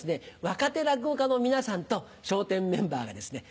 若手落語家の皆さんと笑点メンバーがですね